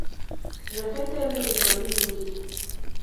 Rzɛ̀kɛ́tɛ́ lǐrzɔ̀ líŋɡî.